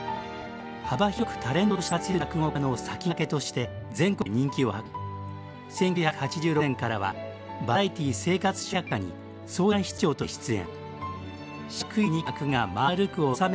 幅広くタレントとして活躍する落語家の先駆けとして全国で人気を博し１９８６年からは「バラエティー生活笑百科」に相談室長として出演。